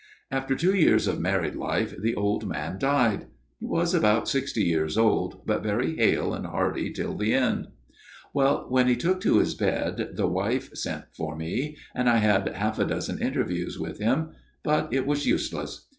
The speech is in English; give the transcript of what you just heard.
After two years of married life the old man died. He was about sixty years old ; but very hale and hearty till the end. " Well, when he took to his bed, the wife sent for me ; and I had half a dozen interviews with him ; but it was useless.